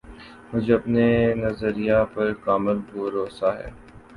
مجھے اپنے نظریہ پر کامل بھروسہ ہے